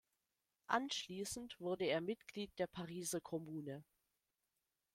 Anschließend wurde er Mitglied der Pariser Kommune.